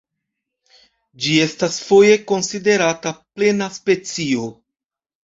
Ĝi estas foje konsiderata plena specio.